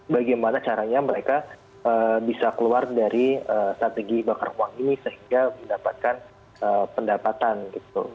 bagaimana caranya mereka bisa keluar dari strategi bakar uang ini sehingga mendapatkan pendapatan gitu